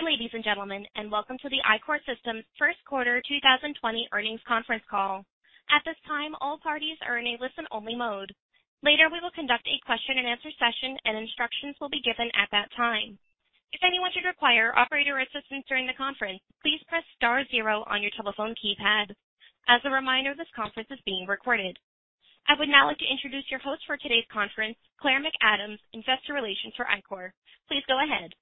Good day, ladies and gentlemen, and welcome to the Ichor Systems first quarter 2020 earnings conference call. At this time, all parties are in a listen-only mode. Later, we will conduct a question-and-answer session, and instructions will be given at that time. If anyone should require operator assistance during the conference, please press star zero on your telephone keypad. As a reminder, this conference is being recorded. I would now like to introduce your host for today's conference, Claire McAdams, Investor Relations for Ichor. Please go ahead.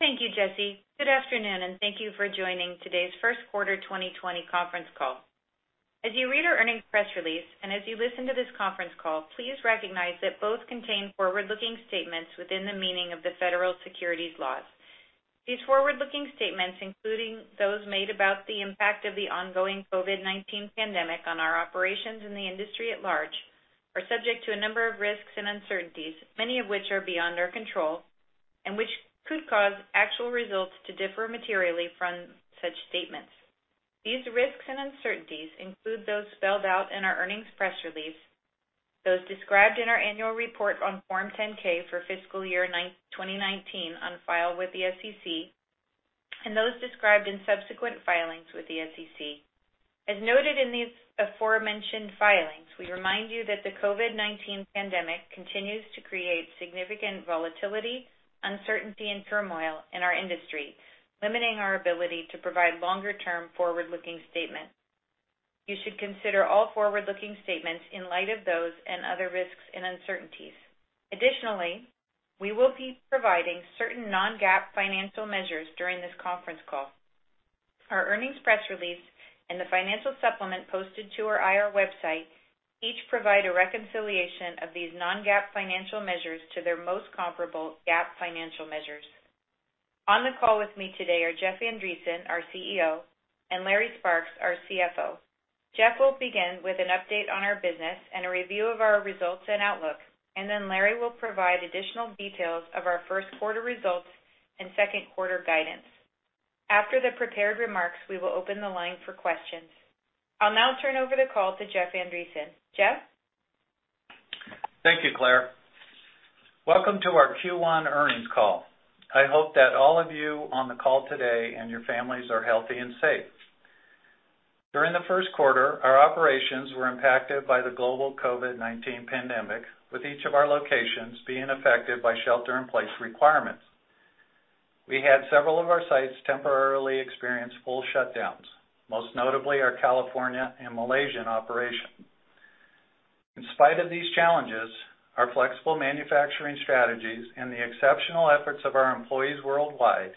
Thank you, Jesse. Good afternoon, and thank you for joining today's first quarter 2020 conference call. As you read our earnings press release, and as you listen to this conference call, please recognize that both contain forward-looking statements within the meaning of the federal securities laws. These forward-looking statements, including those made about the impact of the ongoing COVID-19 pandemic on our operations in the industry at large, are subject to a number of risks and uncertainties, many of which are beyond our control, and which could cause actual results to differ materially from such statements. These risks and uncertainties include those spelled out in our earnings press release, those described in our annual report on Form 10-K for fiscal year 2019 on file with the SEC, and those described in subsequent filings with the SEC. As noted in these aforementioned filings, we remind you that the COVID-19 pandemic continues to create significant volatility, uncertainty, and turmoil in our industry, limiting our ability to provide longer-term forward-looking statements. You should consider all forward-looking statements in light of those and other risks and uncertainties. Additionally, we will be providing certain non-GAAP financial measures during this conference call. Our earnings press release and the financial supplement posted to our IR website each provide a reconciliation of these non-GAAP financial measures to their most comparable GAAP financial measures. On the call with me today are Jeff Andreson, our CEO, and Larry Sparks, our CFO. Jeff will begin with an update on our business and a review of our results and outlook. Larry will provide additional details of our first quarter results and second quarter guidance. After the prepared remarks, we will open the line for questions. I'll now turn over the call to Jeff Andreson. Jeff? Thank you, Claire. Welcome to our Q1 earnings call. I hope that all of you on the call today and your families are healthy and safe. During the first quarter, our operations were impacted by the global COVID-19 pandemic, with each of our locations being affected by shelter-in-place requirements. We had several of our sites temporarily experience full shutdowns, most notably our California and Malaysian operation. In spite of these challenges, our flexible manufacturing strategies and the exceptional efforts of our employees worldwide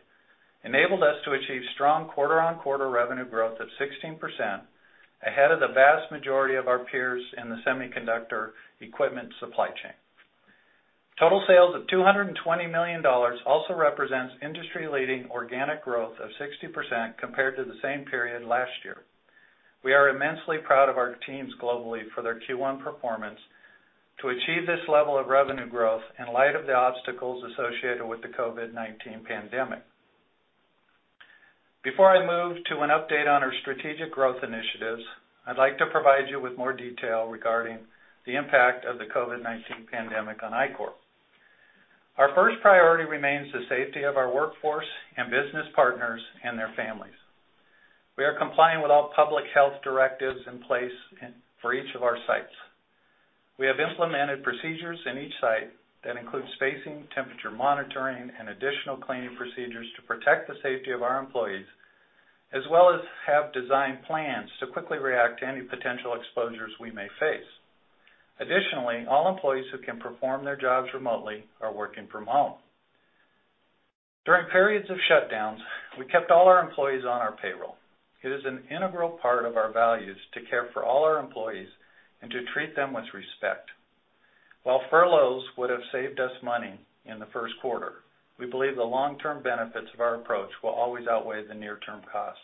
enabled us to achieve strong quarter-on-quarter revenue growth of 16%, ahead of the vast majority of our peers in the semiconductor equipment supply chain. Total sales of $220 million also represents industry-leading organic growth of 60% compared to the same period last year. We are immensely proud of our teams globally for their Q1 performance to achieve this level of revenue growth in light of the obstacles associated with the COVID-19 pandemic. Before I move to an update on our strategic growth initiatives, I'd like to provide you with more detail regarding the impact of the COVID-19 pandemic on Ichor. Our first priority remains the safety of our workforce and business partners and their families. We are complying with all public health directives in place for each of our sites. We have implemented procedures in each site that include spacing, temperature monitoring, and additional cleaning procedures to protect the safety of our employees, as well as have designed plans to quickly react to any potential exposures we may face. Additionally, all employees who can perform their jobs remotely are working from home. During periods of shutdowns, we kept all our employees on our payroll. It is an integral part of our values to care for all our employees and to treat them with respect. While furloughs would have saved us money in the first quarter, we believe the long-term benefits of our approach will always outweigh the near-term costs.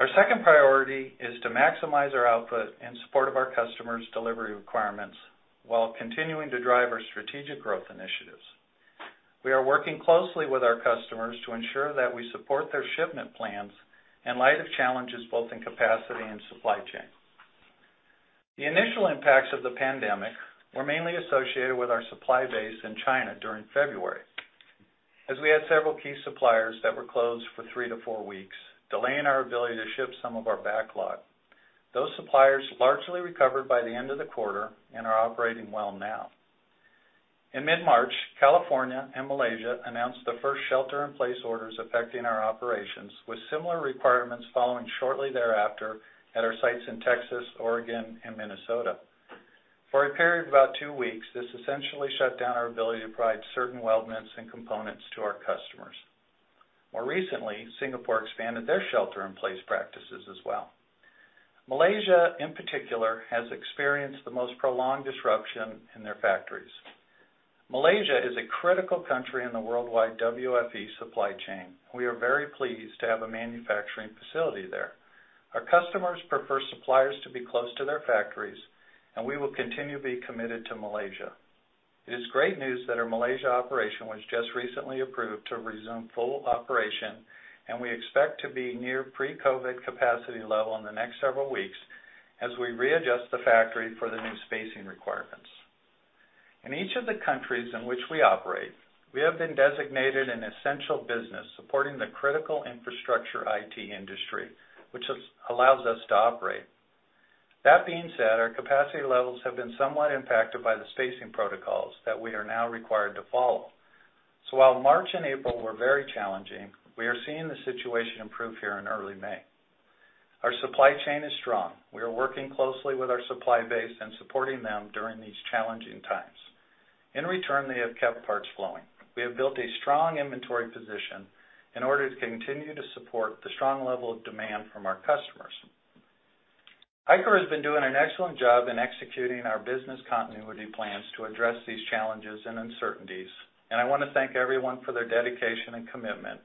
Our second priority is to maximize our output in support of our customers' delivery requirements while continuing to drive our strategic growth initiatives. We are working closely with our customers to ensure that we support their shipment plans in light of challenges both in capacity and supply chain. The initial impacts of the pandemic were mainly associated with our supply base in China during February, as we had several key suppliers that were closed for three to four weeks, delaying our ability to ship some of our backlog. Those suppliers largely recovered by the end of the quarter and are operating well now. In mid-March, California and Malaysia announced the first shelter-in-place orders affecting our operations, with similar requirements following shortly thereafter at our sites in Texas, Oregon, and Minnesota. For a period of about two weeks, this essentially shut down our ability to provide certain weldments and components to our customers. More recently, Singapore expanded their shelter-in-place practices as well. Malaysia, in particular, has experienced the most prolonged disruption in their factories. Malaysia is a critical country in the worldwide WFE supply chain. We are very pleased to have a manufacturing facility there. Our customers prefer suppliers to be close to their factories, and we will continue to be committed to Malaysia. It is great news that our Malaysia operation was just recently approved to resume full operation, and we expect to be near pre-COVID capacity level in the next several weeks as we readjust the factory for the new spacing requirements. In each of the countries in which we operate, we have been designated an essential business supporting the critical infrastructure IT industry, which allows us to operate. That being said, our capacity levels have been somewhat impacted by the spacing protocols that we are now required to follow. While March and April were very challenging, we are seeing the situation improve here in early May. Our supply chain is strong. We are working closely with our supply base and supporting them during these challenging times. In return, they have kept parts flowing. We have built a strong inventory position in order to continue to support the strong level of demand from our customers. Ichor has been doing an excellent job in executing our business continuity plans to address these challenges and uncertainties, and I want to thank everyone for their dedication and commitment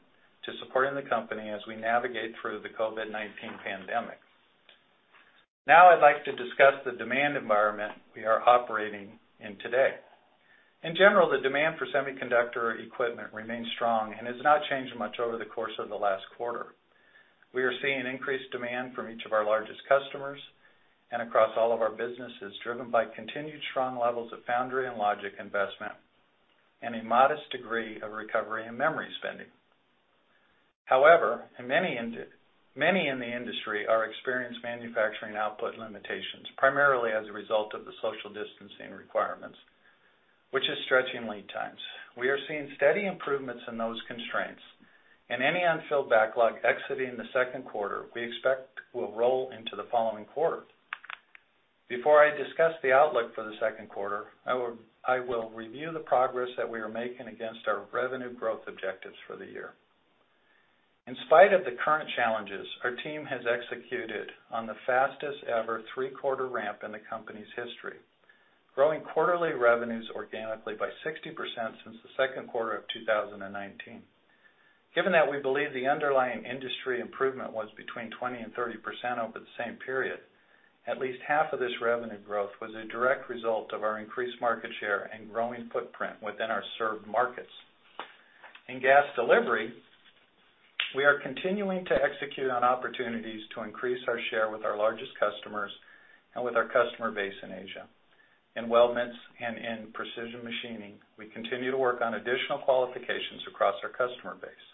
to supporting the company as we navigate through the COVID-19 pandemic. Now I'd like to discuss the demand environment we are operating in today. In general, the demand for semiconductor equipment remains strong and has not changed much over the course of the last quarter. We are seeing increased demand from each of our largest customers and across all of our businesses, driven by continued strong levels of foundry and logic investment and a modest degree of recovery in memory spending. However, many in the industry are experiencing manufacturing output limitations, primarily as a result of the social distancing requirements, which is stretching lead times. We are seeing steady improvements in those constraints, and any unfilled backlog exiting the second quarter we expect will roll into the following quarter. Before I discuss the outlook for the second quarter, I will review the progress that we are making against our revenue growth objectives for the year. In spite of the current challenges, our team has executed on the fastest-ever three-quarter ramp in the company's history, growing quarterly revenues organically by 60% since the second quarter of 2019. Given that we believe the underlying industry improvement was between 20% and 30% over the same period. At least 1/2 of this revenue growth was a direct result of our increased market share and growing footprint within our served markets. In Gas Delivery, we are continuing to execute on opportunities to increase our share with our largest customers and with our customer base in Asia. In weldments and in precision machining, we continue to work on additional qualifications across our customer base.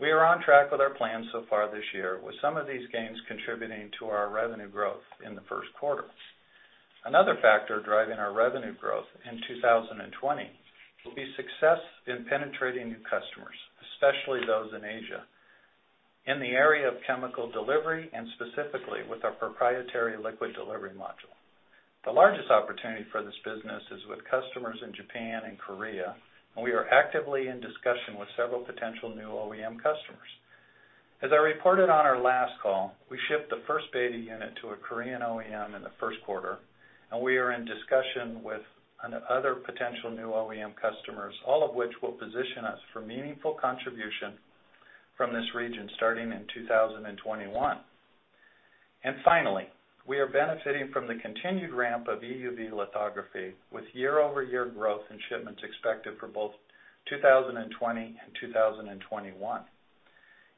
We are on track with our plans so far this year, with some of these gains contributing to our revenue growth in the first quarter. Another factor driving our revenue growth in 2020 will be success in penetrating new customers, especially those in Asia, in the area of Chemical Delivery and specifically with our proprietary Liquid Delivery module. The largest opportunity for this business is with customers in Japan and Korea, and we are actively in discussion with several potential new OEM customers. As I reported on our last call, we shipped the first beta unit to a Korean OEM in the first quarter, and we are in discussion with other potential new OEM customers, all of which will position us for meaningful contribution from this region starting in 2021. Finally, we are benefiting from the continued ramp of EUV Lithography, with year-over-year growth in shipments expected for both 2020 and 2021.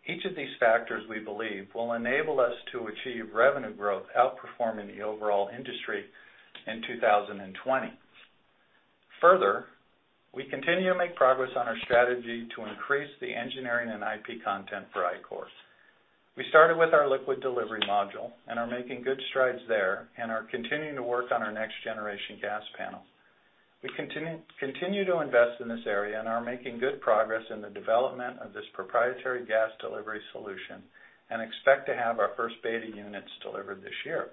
Each of these factors, we believe, will enable us to achieve revenue growth outperforming the overall industry in 2020. Further, we continue to make progress on our strategy to increase the engineering and IP content for Ichor. We started with our Liquid Delivery Module and are making good strides there, and are continuing to work on our next-generation Gas Panel. We continue to invest in this area and are making good progress in the development of this proprietary Gas Delivery solution and expect to have our first beta units delivered this year.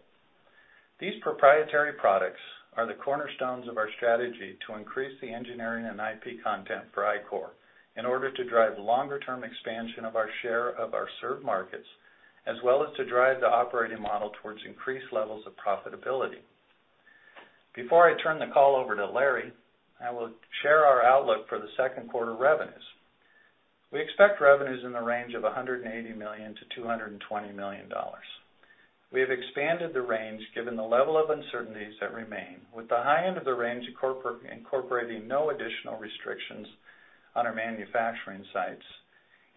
These proprietary products are the cornerstones of our strategy to increase the engineering and IP content for Ichor in order to drive longer-term expansion of our share of our served markets, as well as to drive the operating model towards increased levels of profitability. Before I turn the call over to Larry, I will share our outlook for the second quarter revenues. We expect revenues in the range of $180 million-$220 million. We have expanded the range given the level of uncertainties that remain, with the high-end of the range incorporating no additional restrictions on our manufacturing sites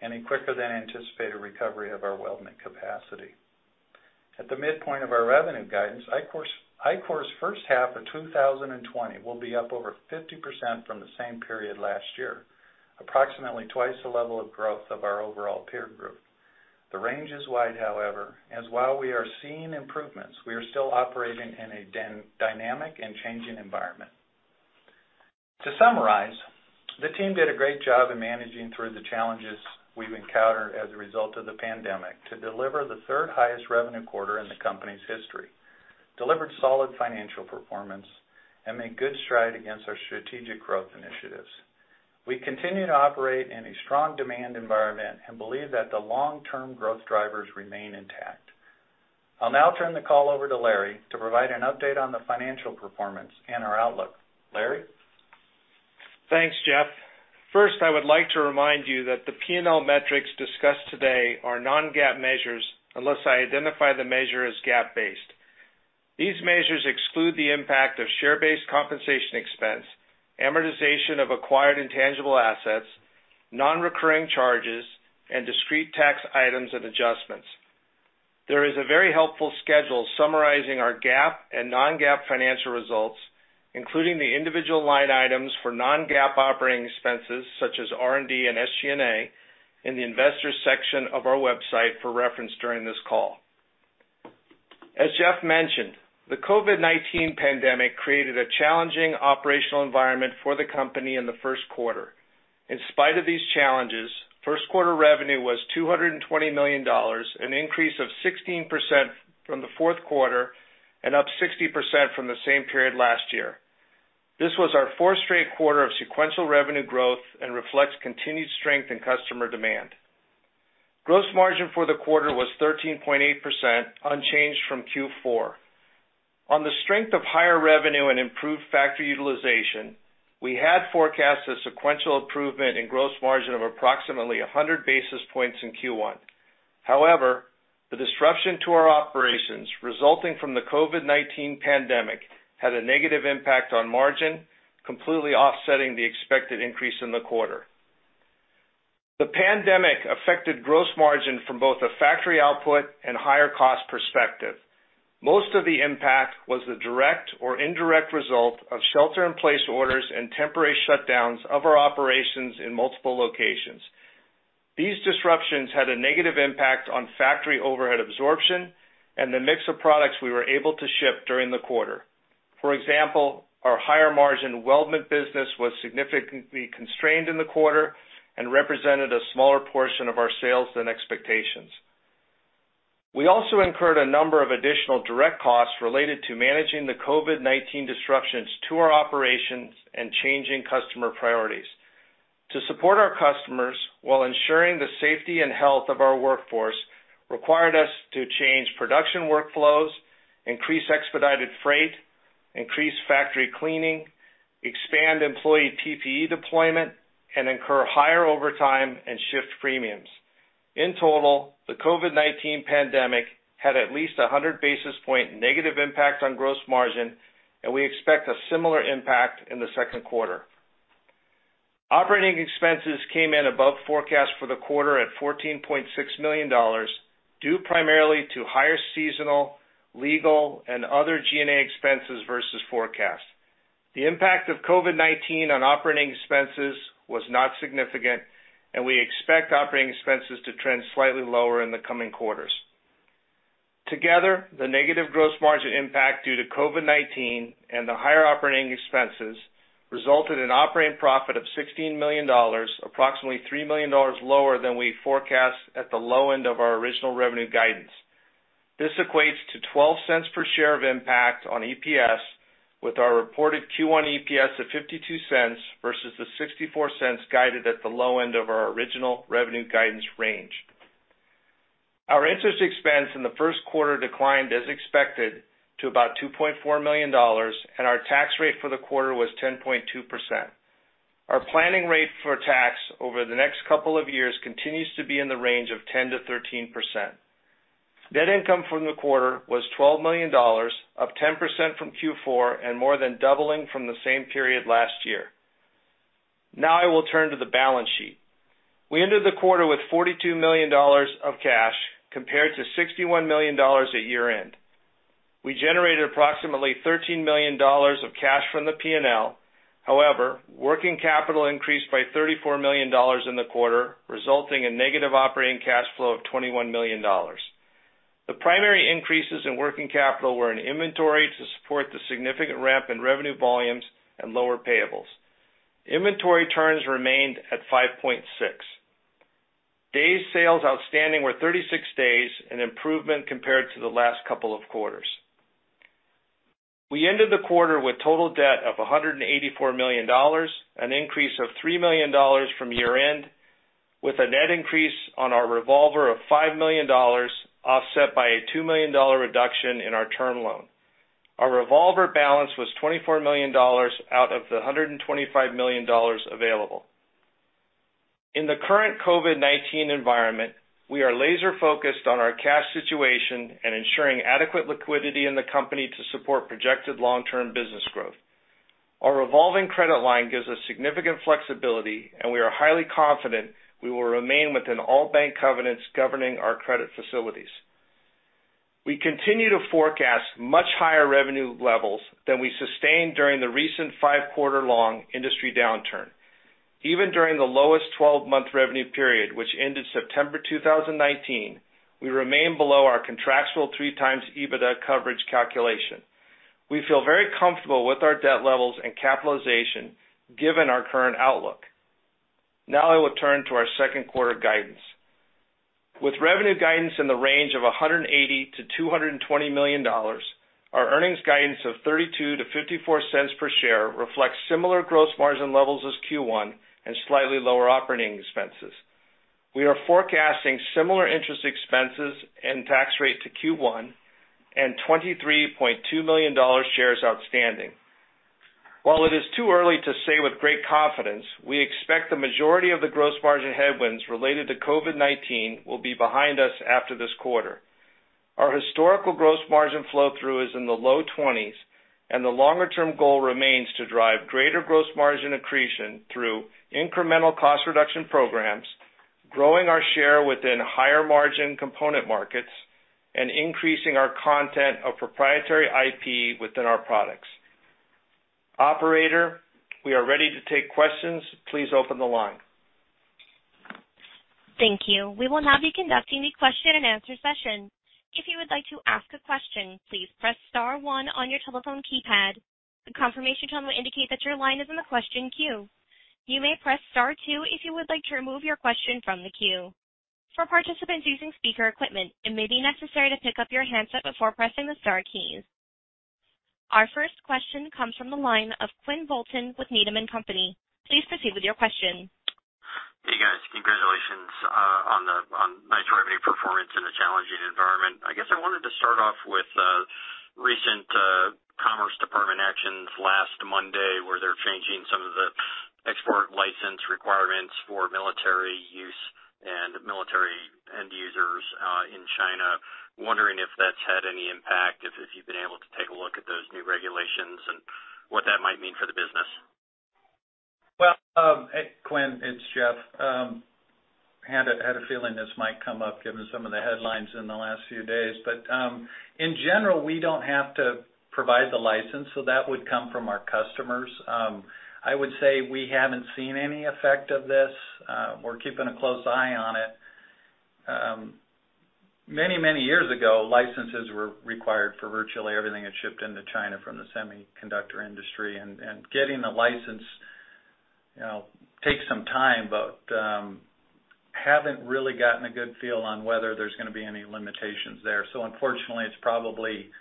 and a quicker-than-anticipated recovery of our Weldment capacity. At the midpoint of our revenue guidance, Ichor's first half of 2020 will be up over 50% from the same period last year, approximately twice the level of growth of our overall peer group. The range is wide, however, as while we are seeing improvements, we are still operating in a dynamic and changing environment. To summarize, the team did a great job in managing through the challenges we've encountered as a result of the pandemic to deliver the third-highest revenue quarter in the company's history, delivered solid financial performance, and made good stride against our strategic growth initiatives. We continue to operate in a strong demand environment and believe that the long-term growth drivers remain intact. I'll now turn the call over to Larry to provide an update on the financial performance and our outlook. Larry? Thanks, Jeff. First, I would like to remind you that the P&L metrics discussed today are non-GAAP measures, unless I identify the measure as GAAP-based. These measures exclude the impact of share-based compensation expense, amortization of acquired intangible assets, non-recurring charges, and discrete tax items and adjustments. There is a very helpful schedule summarizing our GAAP and non-GAAP financial results, including the individual line items for non-GAAP operating expenses such as R&D and SG&A in the Investors section of our website for reference during this call. As Jeff mentioned, the COVID-19 pandemic created a challenging operational environment for the company in the first quarter. In spite of these challenges, first quarter revenue was $220 million, an increase of 16% from the fourth quarter and up 60% from the same period last year. This was our fourth straight quarter of sequential revenue growth and reflects continued strength in customer demand. Gross margin for the quarter was 13.8%, unchanged from Q4. On the strength of higher revenue and improved factory utilization, we had forecast a sequential improvement in gross margin of approximately 100 basis points in Q1. However, the disruption to our operations resulting from the COVID-19 pandemic had a negative impact on margin, completely offsetting the expected increase in the quarter. The pandemic affected gross margin from both a factory output and higher cost perspective. Most of the impact was the direct or indirect result of shelter-in-place orders and temporary shutdowns of our operations in multiple locations. These disruptions had a negative impact on factory overhead absorption and the mix of products we were able to ship during the quarter. For example, our higher-margin Weldment business was significantly constrained in the quarter and represented a smaller portion of our sales than expectations. We also incurred a number of additional direct costs related to managing the COVID-19 disruptions to our operations and changing customer priorities. To support our customers while ensuring the safety and health of our workforce required us to change production workflows, increase expedited freight, increase factory cleaning, expand employee PPE deployment, and incur higher overtime and shift premiums. In total, the COVID-19 pandemic had at least 100 basis point negative impact on gross margin, and we expect a similar impact in the second quarter. Operating expenses came in above forecast for the quarter at $14.6 million, due primarily to higher seasonal, legal, and other G&A expenses versus forecast. The impact of COVID-19 on operating expenses was not significant, and we expect operating expenses to trend slightly lower in the coming quarters. Together, the negative gross margin impact due to COVID-19 and the higher operating expenses resulted in operating profit of $16 million, approximately $3 million lower than we forecast at the low end of our original revenue guidance. This equates to $0.12 per share of impact on EPS, with our reported Q1 EPS of $0.52 versus the $0.64 guided at the low end of our original revenue guidance range. Our interest expense in the first quarter declined as expected to about $2.4 million, and our tax rate for the quarter was 10.2%. Our planning rate for tax over the next couple of years continues to be in the range of 10%-13%. Net income from the quarter was $12 million, up 10% from Q4 and more than doubling from the same period last year. Now I will turn to the balance sheet. We ended the quarter with $42 million of cash, compared to $61 million at year-end. We generated approximately $13 million of cash from the P&L. However, working capital increased by $34 million in the quarter, resulting in negative operating cash flow of $21 million. The primary increases in working capital were in inventory to support the significant ramp in revenue volumes and lower payables. Inventory turns remained at 5.6. Days sales outstanding were 36 days, an improvement compared to the last couple of quarters. We ended the quarter with total debt of $184 million, an increase of $3 million from year-end, with a net increase on our revolver of $5 million, offset by a $2 million reduction in our term loan. Our revolver balance was $24 million out of the $125 million available. In the current COVID-19 environment, we are laser-focused on our cash situation and ensuring adequate liquidity in the company to support projected long-term business growth. Our revolving credit line gives us significant flexibility, and we are highly confident we will remain within all bank covenants governing our credit facilities. We continue to forecast much higher revenue levels than we sustained during the recent five-quarter-long industry downturn. Even during the lowest 12-month revenue period, which ended September 2019, we remain below our contractual 3x EBITDA coverage calculation. We feel very comfortable with our debt levels and capitalization given our current outlook. Now I will turn to our second quarter guidance. With revenue guidance in the range of $180 million-$220 million, our earnings guidance of $0.32-$0.54 per share reflects similar gross margin levels as Q1 and slightly lower operating expenses. We are forecasting similar interest expenses and tax rate to Q1 and $23.2 million shares outstanding. While it is too early to say with great confidence, we expect the majority of the gross margin headwinds related to COVID-19 will be behind us after this quarter. Our historical gross margin flow-through is in the low 20s The longer-term goal remains to drive greater gross margin accretion through incremental cost reduction programs, growing our share within higher margin component markets, and increasing our content of proprietary IP within our products. Operator, we are ready to take questions. Please open the line. Thank you. We will now be conducting a question and answer session. If you would like to ask a question, please press star one on your telephone keypad. A confirmation tone will indicate that your line is in the question queue. You may press star two if you would like to remove your question from the queue. For participants using speaker equipment, it may be necessary to pick up your handset before pressing the star keys. Our first question comes from the line of Quinn Bolton with Needham & Company. Please proceed with your question. Hey, guys. Congratulations on the nice revenue performance in a challenging environment. I guess I wanted to start off with recent Department of Commerce actions last Monday, where they're changing some of the export license requirements for military use and military end-users in China. Wondering if that's had any impact, if you've been able to take a look at those new regulations and what that might mean for the business. Well, Quinn, it's Jeff. Had a feeling this might come up given some of the headlines in the last few days. In general, we don't have to provide the license, so that would come from our customers. I would say we haven't seen any effect of this. We're keeping a close eye on it. Many years ago, licenses were required for virtually everything that shipped into China from the semiconductor industry. Getting a license takes some time, but haven't really gotten a good feel on whether there's going to be any limitations there. Unfortunately, it's probably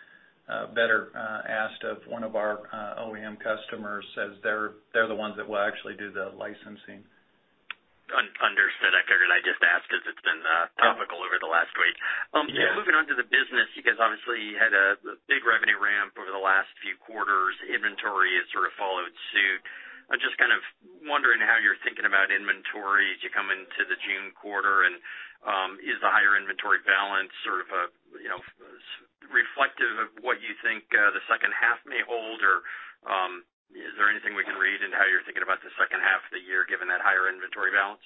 better asked of one of our OEM customers, as they're the ones that will actually do the licensing. Understood. I figured I'd just ask because it's been topical over the last week. Moving on to the business, you guys obviously had a big revenue ramp over the last few quarters. Inventory has sort of followed suit. I'm just kind of wondering how you're thinking about inventory as you come into the June quarter. Is the higher inventory balance sort of reflective of what you think the second half may hold? Or is there anything we can read into how you're thinking about the second half of the year given that higher inventory balance?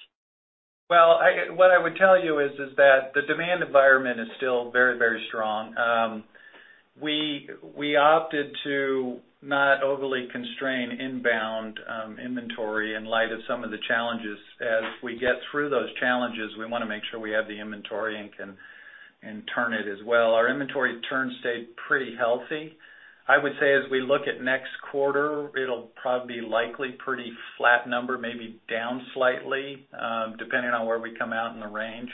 Well, what I would tell you is that the demand environment is still very strong. We opted to not overly constrain inbound inventory in light of some of the challenges. As we get through those challenges, we want to make sure we have the inventory and can turn it as well. Our inventory turns stayed pretty healthy. I would say as we look at next quarter, it'll probably likely pretty flat number, maybe down slightly, depending on where we come out in the range.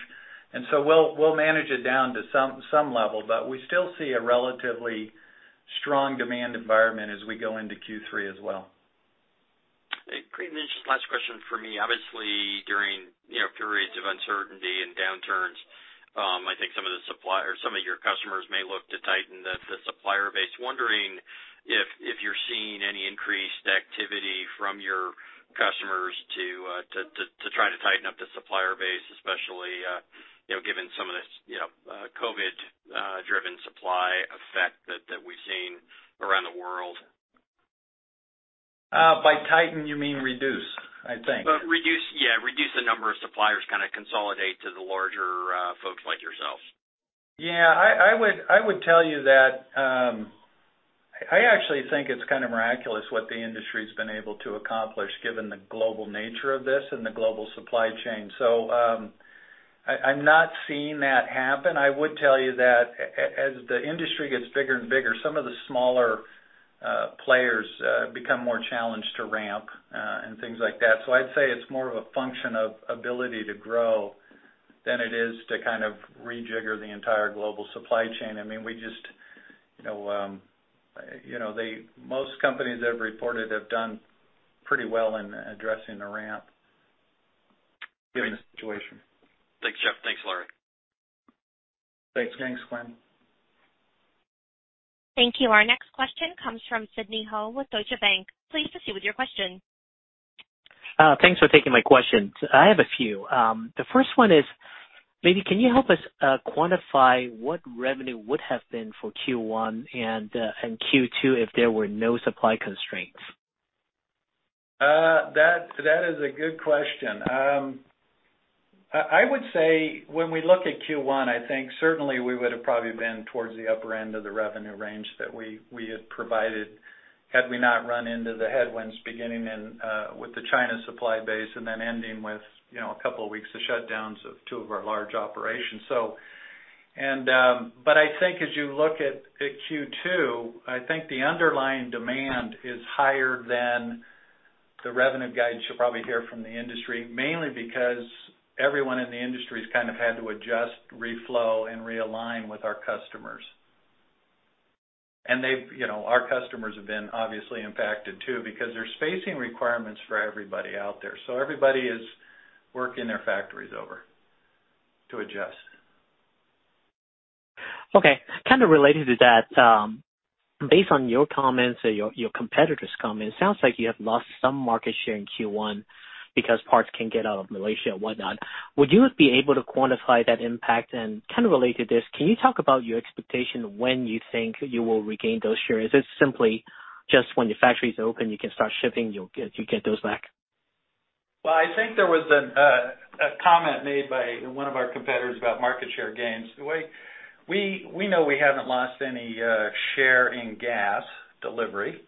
We'll manage it down to some level, but we still see a relatively strong demand environment as we go into Q3 as well. Just last question from me. Obviously, during periods of uncertainty and downturns, I think some of your customers may look to tighten the supplier base. Wondering if you're seeing any increased activity from your customers to try to tighten up the supplier base, especially given some of this COVID-driven supply effect that we've seen around the world. By tighten you mean reduce, I think. Reduce, yeah. Reduce the number of suppliers, kind of consolidate to the larger folks like yourselves. I would tell you that I actually think it's kind of miraculous what the industry's been able to accomplish given the global nature of this and the global supply chain. I'm not seeing that happen. I would tell you that as the industry gets bigger and bigger, some of the smaller players become more challenged to ramp and things like that. I'd say it's more of a function of ability to grow than it is to kind of rejigger the entire global supply chain. Most companies that have reported have done pretty well in addressing the ramp given the situation. Thanks, Jeff. Thanks, Larry. Thanks, Quinn. Thank you. Our next question comes from Sidney Ho with Deutsche Bank. Please proceed with your question. Thanks for taking my questions. I have a few. The first one is, maybe can you help us quantify what revenue would have been for Q1 and Q2 if there were no supply constraints? That is a good question. I would say when we look at Q1, I think certainly we would've probably been towards the upper end of the revenue range that we had provided had we not run into the headwinds beginning with the China supply base and then ending with a couple of weeks of shutdowns of two of our large operations. I think as you look at Q2, I think the underlying demand is higher than the revenue guidance you'll probably hear from the industry, mainly because everyone in the industry's kind of had to adjust, reflow, and realign with our customers. Our customers have been obviously impacted too, because there's spacing requirements for everybody out there. Everybody is working their factories over to adjust. Okay. Kind of related to that, based on your comments and your competitor's comments, sounds like you have lost some market share in Q1, because parts can get out of Malaysia and whatnot. Would you be able to quantify that impact? Kind of related to this, can you talk about your expectation of when you think you will regain those shares? Is this simply just when your factories open, you can start shipping, you'll get those back? Well, I think there was a comment made by one of our competitors about market share gains. We know we haven't lost any share in Gas Delivery.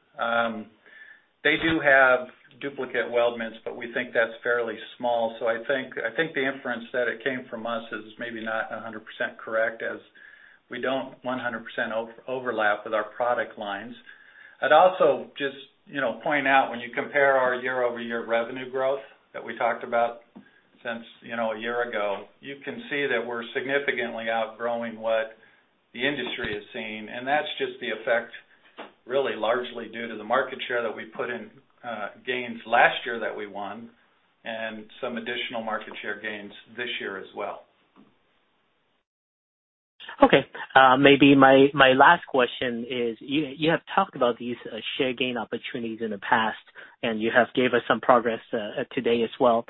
They do have duplicate weldments, but we think that's fairly small. I think the inference that it came from us is maybe not 100% correct, as we don't 100% overlap with our product lines. I'd also just point out, when you compare our year-over-year revenue growth that we talked about since a year ago, you can see that we're significantly outgrowing what the industry is seeing, and that's just the effect really largely due to the market share that we put in gains last year that we won and some additional market share gains this year as well. Okay. Maybe my last question is, you have talked about these share gain opportunities in the past, and you have gave us some progress today as well.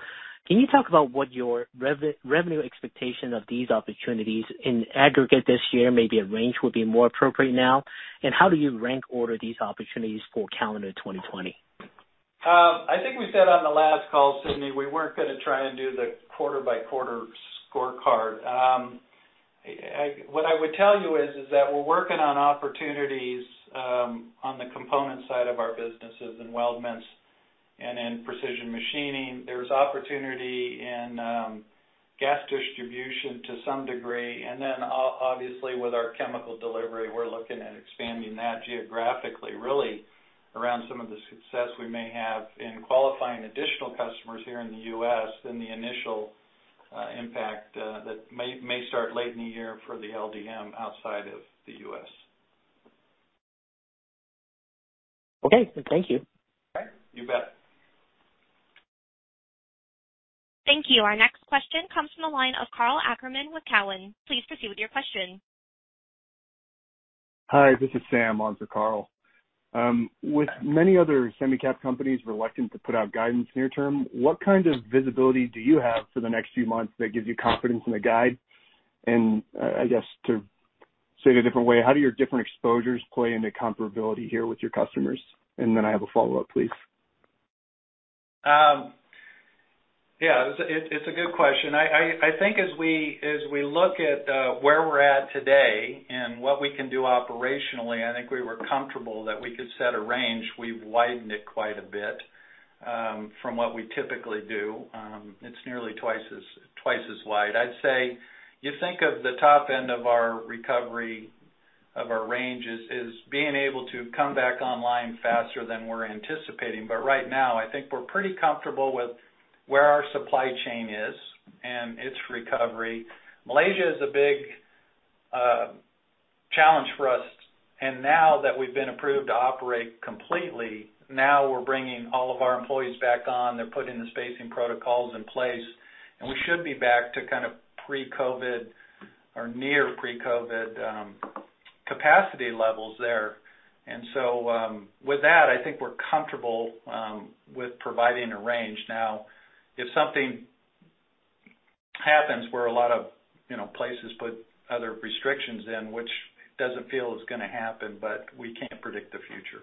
Can you talk about what your revenue expectation of these opportunities in aggregate this year, maybe a range would be more appropriate now? How do you rank order these opportunities for calendar 2020? I think we said on the last call, Sidney, we weren't going to try and do the quarter-by-quarter scorecard. What I would tell you is that we're working on opportunities on the component side of our businesses in Weldments and in Precision Machining. There's opportunity in Gas distribution to some degree. Obviously with our Chemical Delivery, we're looking at expanding that geographically, really around some of the success we may have in qualifying additional customers here in the U.S. than the initial impact that may start late in the year for the LDM outside of the U.S. Okay. Thank you. Okay. You bet. Thank you. Our next question comes from the line of Karl Ackerman with Cowen. Please proceed with your question. Hi, this is Sam on for Karl. With many other semi cap companies reluctant to put out guidance near-term, what kind of visibility do you have for the next few months that gives you confidence in the guide? I guess to say it a different way, how do your different exposures play into comparability here with your customers? I have a follow-up, please. Yeah. It's a good question. I think as we look at where we're at today and what we can do operationally, I think we were comfortable that we could set a range. We've widened it quite a bit from what we typically do. It's nearly twice as wide. I'd say you think of the top end of our recovery of our ranges is being able to come back online faster than we're anticipating. Right now, I think we're pretty comfortable with where our supply chain is and its recovery. Malaysia is a big challenge for us, and now that we've been approved to operate completely, now we're bringing all of our employees back on. They're putting the spacing protocols in place, and we should be back to kind of pre-COVID or near pre-COVID capacity levels there. With that, I think we're comfortable with providing a range. If something happens where a lot of places put other restrictions in, which doesn't feel is going to happen, but we can't predict the future.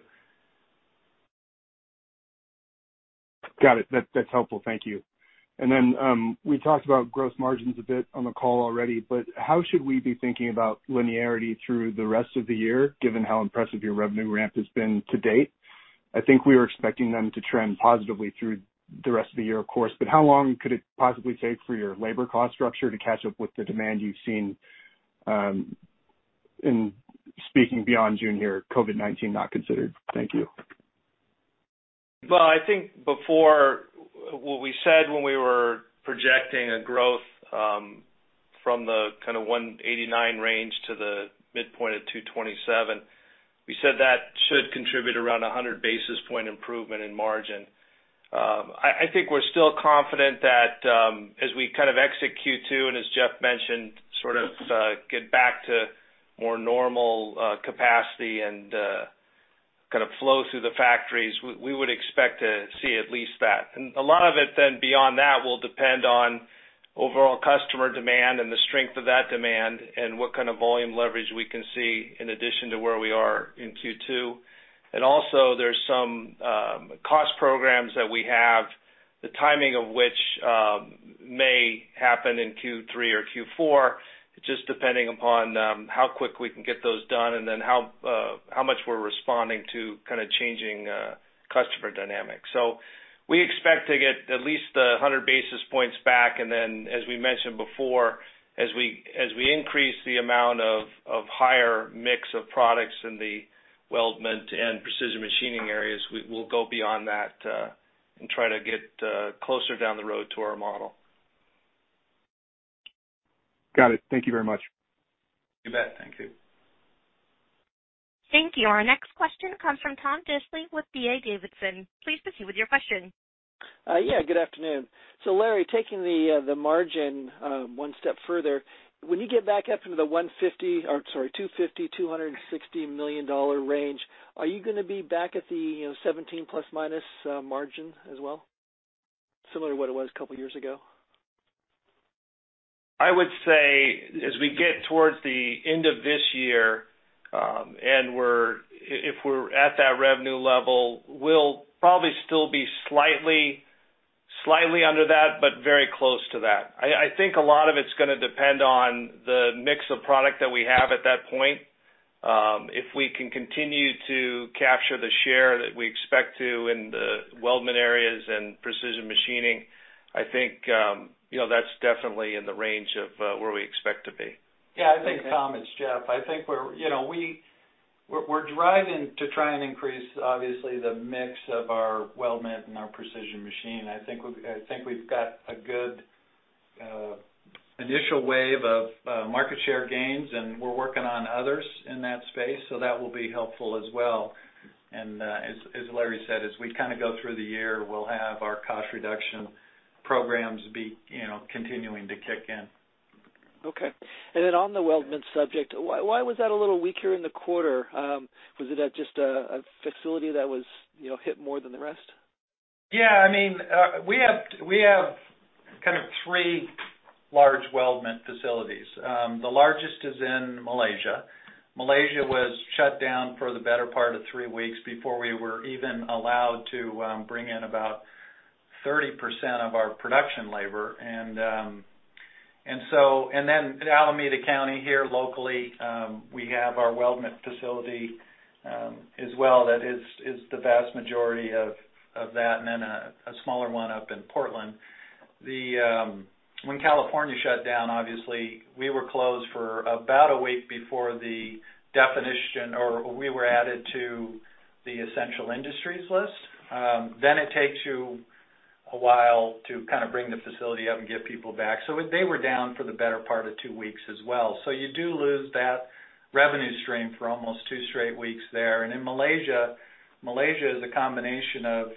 Got it. That's helpful. Thank you. We talked about gross margins a bit on the call already, but how should we be thinking about linearity through the rest of the year, given how impressive your revenue ramp has been to date? I think we were expecting them to trend positively through the rest of the year, of course, but how long could it possibly take for your labor cost structure to catch up with the demand you've seen, in speaking beyond June here, COVID-19 not considered? Thank you. Well, I think before, what we said when we were projecting a growth from the kind of 189 range to the midpoint at 227, we said that should contribute around 100 basis point improvement in margin. I think we're still confident that as we kind of exit Q2, and as Jeff mentioned, sort of get back to more normal capacity and kind of flow through the factories, we would expect to see at least that. A lot of it then beyond that will depend on overall customer demand and the strength of that demand and what kind of volume leverage we can see in addition to where we are in Q2. Also, there's some cost programs that we have, the timing of which may happen in Q3 or Q4, just depending upon how quick we can get those done, how much we're responding to kind of changing customer dynamics. We expect to get at least 100 basis points back, as we mentioned before, as we increase the amount of higher mix of products in the weldment and precision machining areas, we'll go beyond that and try to get closer down the road to our model. Got it. Thank you very much. You bet. Thank you. Thank you. Our next question comes from Tom Diffely with D.A. Davidson. Please proceed with your question. Yeah. Good afternoon. Larry, taking the margin one step further, when you get back up into the $150 million, or sorry, $250 million, $260 million range, are you going to be back at the 17± margin as well? Similar to what it was a couple of years ago? I would say as we get towards the end of this year, and if we're at that revenue level, we'll probably still be slightly under that, but very close to that. I think a lot of it's going to depend on the mix of product that we have at that point. If we can continue to capture the share that we expect to in the Weldment areas and Precision Machining, I think that's definitely in the range of where we expect to be. Yeah. I think, Tom, it's Jeff. I think we're driving to try and increase, obviously, the mix of our Weldment and our Precision Machine. I think we've got a good initial wave of market share gains, and we're working on others in that space, so that will be helpful as well. As Larry said, as we kind of go through the year, we'll have our cost reduction programs be continuing to kick in. Okay. On the Weldment subject, why was that a little weaker in the quarter? Was it at just a facility that was hit more than the rest? Yeah. We have kind of three large weldment facilities. The largest is in Malaysia. Malaysia was shut down for the better part of three weeks before we were even allowed to bring in about 30% of our production labor. Alameda County here locally, we have our weldment facility as well. That is the vast majority of that, and then a smaller one up in Portland. When California shut down, obviously, we were closed for about one week before the definition, or we were added to the essential industries list. It takes you a while to kind of bring the facility up and get people back. They were down for the better part of two weeks as well. You do lose that revenue stream for almost two straight weeks there. In Malaysia is a combination of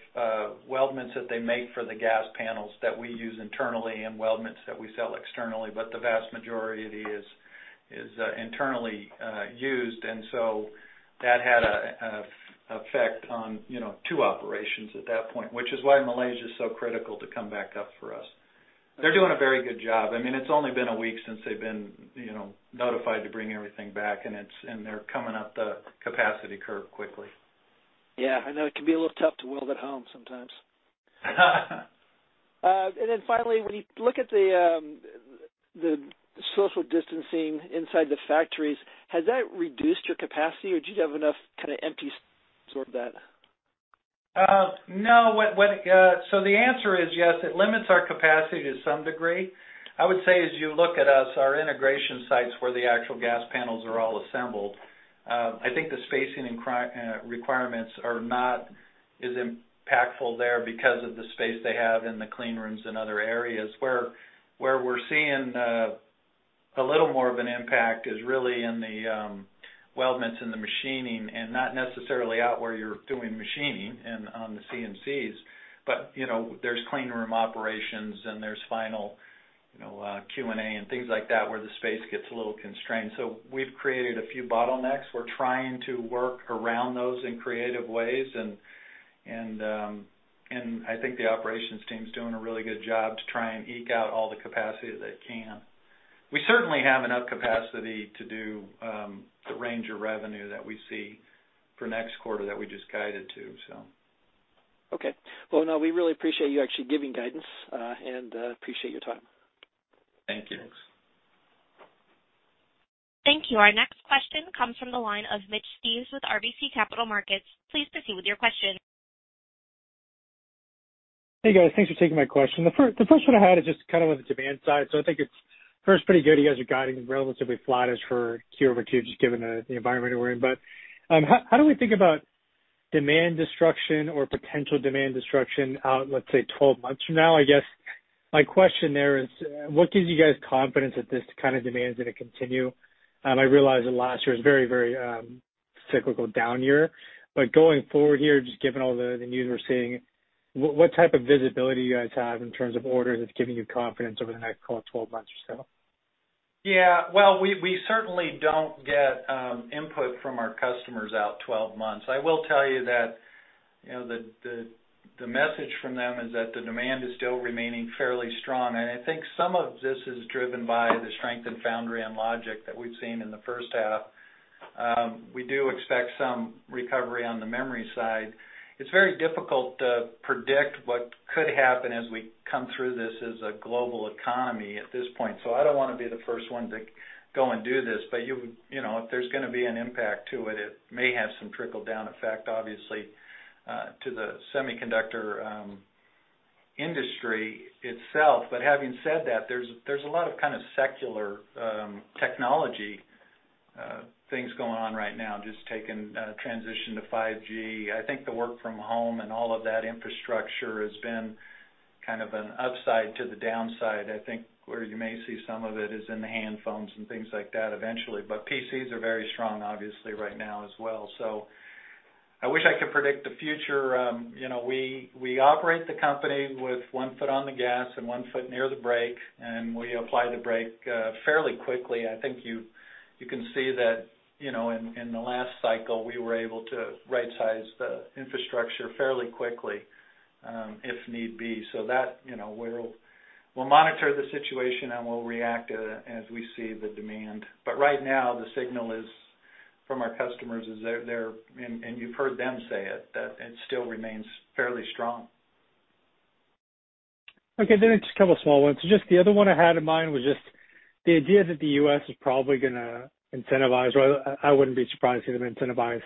weldments that they make for the Gas Panels that we use internally and weldments that we sell externally, but the vast majority is internally used. That had an effect on two operations at that point, which is why Malaysia is so critical to come back up for us. They're doing a very good job. It's only been a week since they've been notified to bring everything back, and they're coming up the capacity curve quickly. Yeah, I know it can be a little tough to weld at home sometimes. Finally, when you look at the social distancing inside the factories, has that reduced your capacity, or do you have enough kind of empty sort of that? No. The answer is yes, it limits our capacity to some degree. I would say as you look at us, our integration sites where the actual gas panels are all assembled, I think the spacing and requirements are not as impactful there because of the space they have in the clean rooms and other areas. Where we're seeing a little more of an impact is really in the Weldments and the Machining, and not necessarily out where you're doing machining and on the CNCs. There's clean room operations, and there's final Q&A, and things like that where the space gets a little constrained. We've created a few bottlenecks. We're trying to work around those in creative ways, and I think the operations team's doing a really good job to try and eke out all the capacity that they can. We certainly have enough capacity to do the range of revenue that we see for next quarter that we just guided to. Okay. Well, now we really appreciate you actually giving guidance, and appreciate your time. Thank you. Thank you. Our next question comes from the line of Mitch Steves with RBC Capital Markets. Please proceed with your question. Hey, guys. Thanks for taking my question. The first one I had is just kind of on the demand side. I think it's first pretty good you guys are guiding relatively flat as for Q-over-Q, just given the environment we're in. How do we think about demand destruction or potential demand destruction out, let's say, 12 months from now? I guess my question there is, what gives you guys confidence that this kind of demand is going to continue? I realize that last year was a very cyclical down year, going forward here, just given all the news we're seeing, what type of visibility do you guys have in terms of orders that's giving you confidence over the next, call it, 12 months or so? Yeah. Well, we certainly don't get input from our customers out 12 months. I will tell you that the message from them is that the demand is still remaining fairly strong, and I think some of this is driven by the strength in foundry and logic that we've seen in the first half. We do expect some recovery on the memory side. It's very difficult to predict what could happen as we come through this as a global economy at this point. I don't want to be the first one to go and do this. If there's going to be an impact to it may have some trickle-down effect, obviously, to the semiconductor industry itself. Having said that, there's a lot of kind of secular technology things going on right now, just taking transition to 5G. I think the work from home and all of that infrastructure has been kind of an upside to the downside. I think where you may see some of it is in the hand phones and things like that eventually. PCs are very strong, obviously, right now as well. I wish I could predict the future. We operate the company with one foot on the gas and one foot near the brake, and we apply the brake fairly quickly. I think you can see that in the last cycle, we were able to rightsize the infrastructure fairly quickly. If need be. We'll monitor the situation, and we'll react as we see the demand. Right now, the signal from our customers is, and you've heard them say it, that it still remains fairly strong. Okay, just a couple of small ones. The other one I had in mind was just the idea that the U.S. is probably going to incentivize, or I wouldn't be surprised to see them incentivize,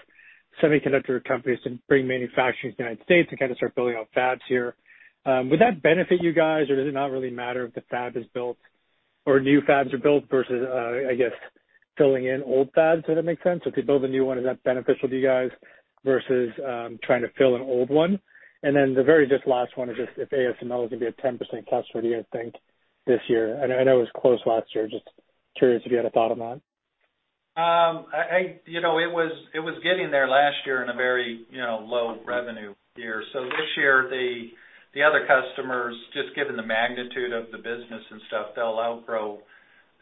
semiconductor companies to bring manufacturing to the United States and kind of start building out fabs here. Would that benefit you guys, or does it not really matter if the fab is built, or new fabs are built versus, I guess, filling in old fabs? Does that make sense? If they build a new one, is that beneficial to you guys versus trying to fill an old one? The very just last one is just if ASML is going to be a 10% customer, do you think this year? I know it was close last year, just curious if you had a thought on that. It was getting there last year in a very low revenue year. This year, the other customers, just given the magnitude of the business and stuff, they'll outgrow.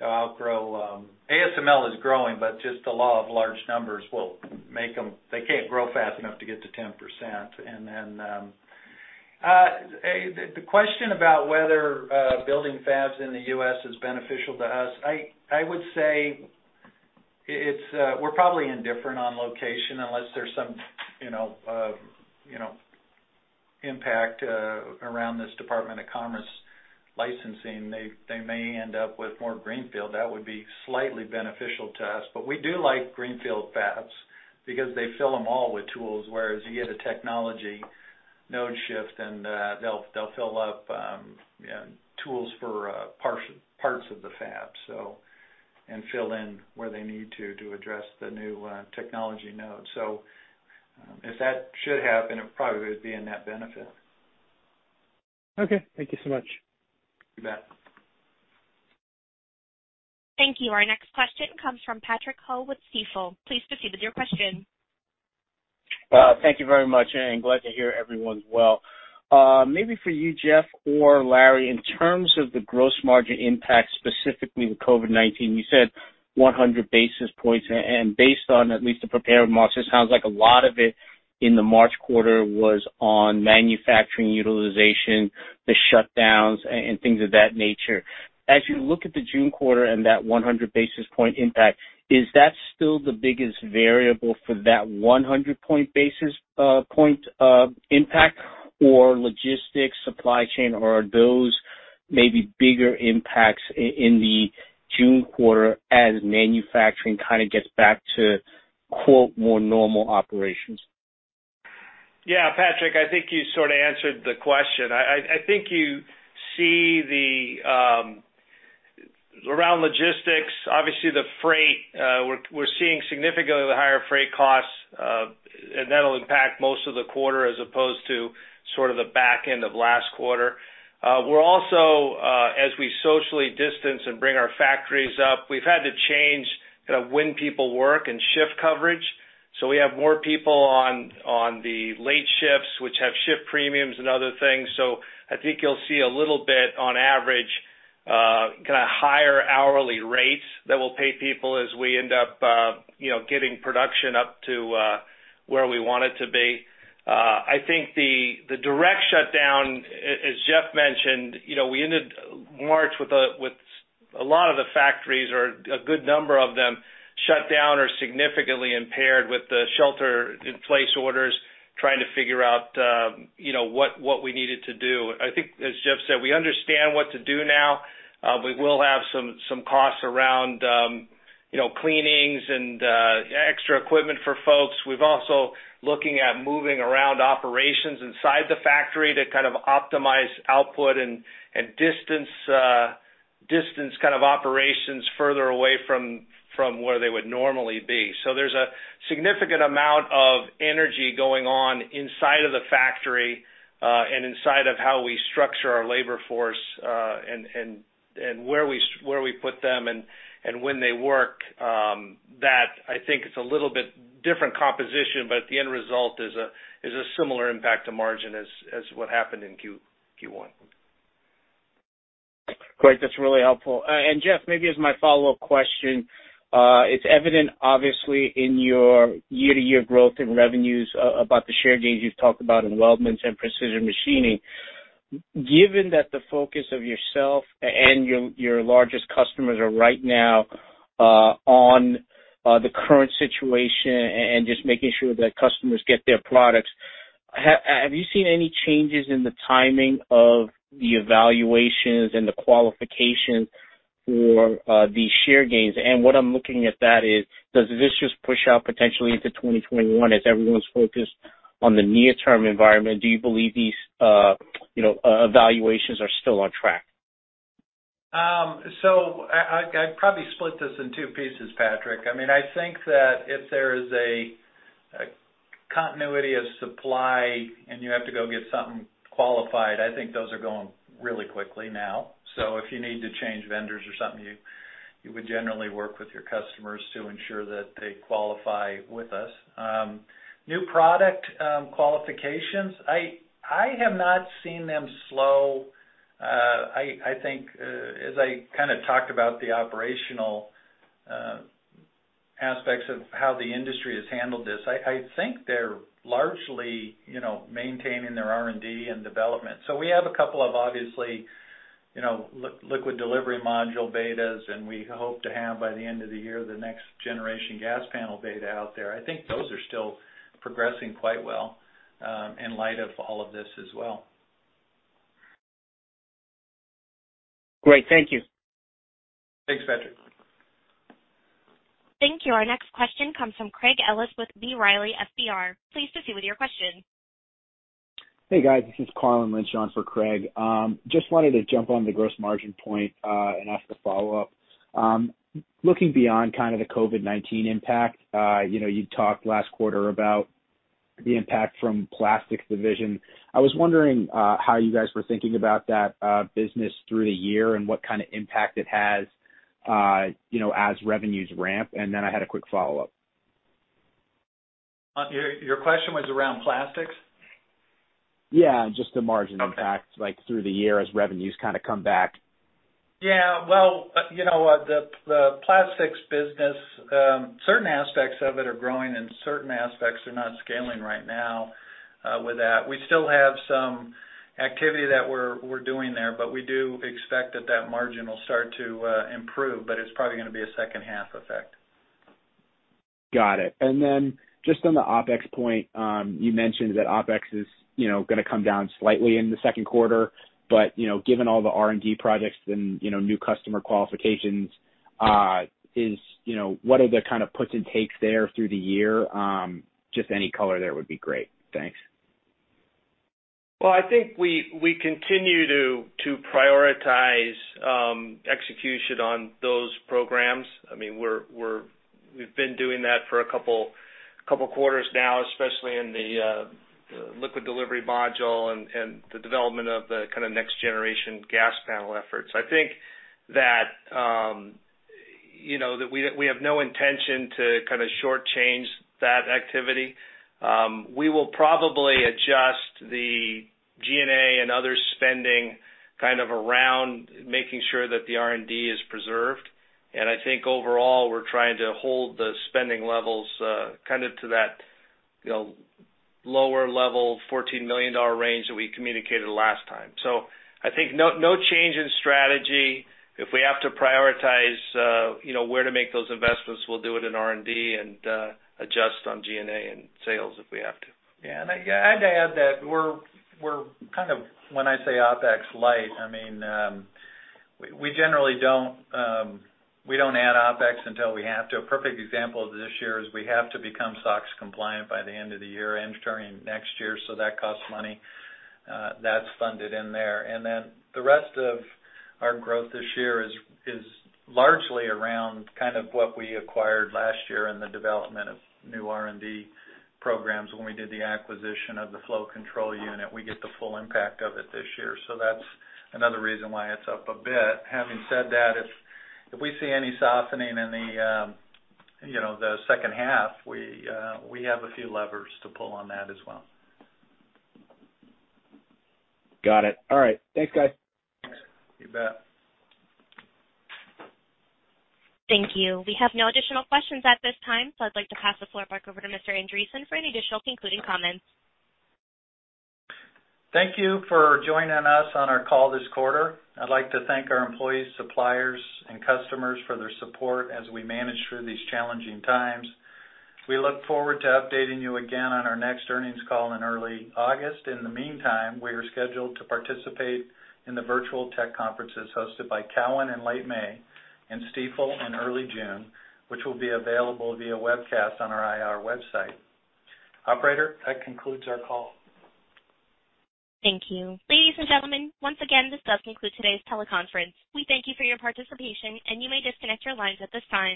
ASML is growing, but just the law of large numbers will make them-- They can't grow fast enough to get to 10%. Then the question about whether building fabs in the U.S. is beneficial to us, I would say we're probably indifferent on location, unless there's some impact around this Department of Commerce licensing. They may end up with more greenfield. That would be slightly beneficial to us. We do like greenfield fabs because they fill them all with tools, whereas you get a technology node shift, and they'll fill up tools for parts of the fab, and fill in where they need to address the new technology node. If that should happen, it probably would be a net benefit. Okay. Thank you so much. You bet. Thank you. Our next question comes from Patrick Ho with Stifel. Please proceed with your question. Thank you very much, and glad to hear everyone's well. Maybe for you, Jeff or Larry, in terms of the gross margin impact, specifically with COVID-19, you said 100 basis points, and based on at least the prepared remarks, it sounds like a lot of it in the March quarter was on manufacturing utilization, the shutdowns, and things of that nature. As you look at the June quarter and that 100 basis point impact, is that still the biggest variable for that 100 basis point impact, or logistics supply chain, or are those maybe bigger impacts in the June quarter as manufacturing kind of gets back to, quote, "more normal operations? Yeah. Patrick, I think you sort of answered the question. I think you see around logistics, obviously the freight, we're seeing significantly the higher freight costs. That'll impact most of the quarter as opposed to sort of the back end of last quarter. We're also, as we socially distance and bring our factories up, we've had to change kind of when people work and shift coverage. We have more people on the late shifts, which have shift premiums and other things. I think you'll see a little bit on average, kind of higher hourly rates that we'll pay people as we end up getting production up to where we want it to be. I think the direct shutdown, as Jeff mentioned, we ended March with a lot of the factories or a good number of them shut down or significantly impaired with the shelter in place orders, trying to figure out what we needed to do. I think, as Jeff said, we understand what to do now. We will have some costs around cleanings and extra equipment for folks. We're also looking at moving around operations inside the factory to kind of optimize output and distance kind of operations further away from where they would normally be. There's a significant amount of energy going on inside of the factory, and inside of how we structure our labor force, and where we put them and when they work. That I think it's a little bit different composition, but the end result is a similar impact to margin as what happened in Q1. Great. That's really helpful. Jeff, maybe as my follow-up question, it's evident obviously in your year-to-year growth in revenues about the share gains you've talked about in Weldments and Precision Machining. Given that the focus of yourself and your largest customers are right now on the current situation and just making sure that customers get their products, have you seen any changes in the timing of the evaluations and the qualification for the share gains? What I'm looking at that is, does this just push out potentially into 2021 as everyone's focused on the near-term environment? Do you believe these evaluations are still on track? I'd probably split this in two pieces, Patrick. I think that if there is a continuity of supply and you have to go get something qualified, I think those are going really quickly now. If you need to change vendors or something, you would generally work with your customers to ensure that they qualify with us. New product qualifications, I have not seen them slow. I think as I kind of talked about the operational aspects of how the industry has handled this. I think they're largely maintaining their R&D and development. We have a couple of, obviously, liquid delivery module betas, and we hope to have, by the end of the year, the next generation gas panel beta out there. I think those are still progressing quite well in light of all of this as well. Great. Thank you. Thanks, Patrick. Thank you. Our next question comes from Craig Ellis with B. Riley FBR. Please proceed with your question. Hey, guys. This is Carlin Lynch on for Craig. Just wanted to jump on the gross margin point and ask a follow-up. Looking beyond kind of the COVID-19 impact, you talked last quarter about the impact from plastics division. I was wondering how you guys were thinking about that business through the year, and what kind of impact it has as revenues ramp. Then I had a quick follow-up. Your question was around plastics? Yeah, just the margin impact like through the year as revenues kind of come back. Yeah. Well, the plastics business, certain aspects of it are growing, and certain aspects are not scaling right now with that. We still have some activity that we're doing there, but we do expect that that margin will start to improve, but it's probably going to be a second half effect. Got it. Just on the OpEx point, you mentioned that OpEx is going to come down slightly in the second quarter. Given all the R&D projects and new customer qualifications, what are the kind of puts and takes there through the year? Just any color there would be great. Thanks. I think we continue to prioritize execution on those programs. We've been doing that for a couple quarters now, especially in the liquid delivery module and the development of the kind of next generation gas panel efforts. I think that we have no intention to kind of shortchange that activity. We will probably adjust the G&A and other spending kind of around making sure that the R&D is preserved. I think overall, we're trying to hold the spending levels kind of to that lower level $14 million range that we communicated last time. I think no change in strategy. If we have to prioritize where to make those investments, we'll do it in R&D and adjust on G&A and sales if we have to. yeah. I'd add that we're kind of, when I say OpEx light, I mean, we don't add OpEx until we have to. A perfect example of this year is we have to become SOX compliant by the end of the year and during next year, that costs money. That's funded in there. The rest of our growth this year is largely around kind of what we acquired last year in the development of new R&D programs when we did the acquisition of the flow control unit. We get the full impact of it this year. That's another reason why it's up a bit. Having said that, if we see any softening in the second half, we have a few levers to pull on that as well. Got it. All right. Thanks, guys. You bet. Thank you. We have no additional questions at this time, so I'd like to pass the floor back over to Mr. Andreson for any additional concluding comments. Thank you for joining us on our call this quarter. I'd like to thank our employees, suppliers, and customers for their support as we manage through these challenging times. We look forward to updating you again on our next earnings call in early August. In the meantime, we are scheduled to participate in the virtual tech conferences hosted by Cowen in late May and Stifel in early June, which will be available via webcast on our IR website. Operator, that concludes our call. Thank you. Ladies and gentlemen, once again, this does conclude today's teleconference. We thank you for your participation, and you may disconnect your lines at this time.